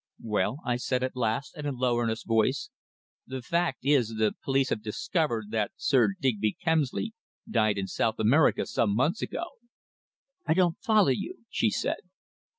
"Well," I said at last in a low, earnest voice, "the fact is the police have discovered that Sir Digby Kemsley died in South America some months ago." "I don't follow you," she said.